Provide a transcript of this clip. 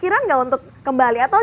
kepikiran enggak untuk kembali atau